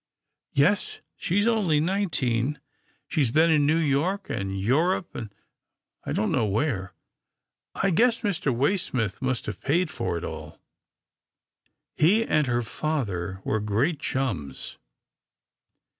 "" Yes, she's only nineteen. She's been in New York, and Europe, and I don't know where. I guess Mr. Waysmith must have paid for it alL He and her father were great chums.